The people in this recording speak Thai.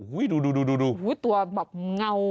โอ้โฮดูโอ้โฮตัวแบบเงา